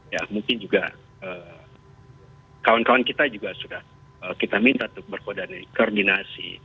ya mungkin juga kawan kawan kita juga sudah kita minta untuk berkoordinasi